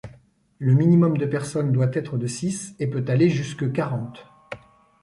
Le minimum de personnes doit être de six et peut aller jusque quarante.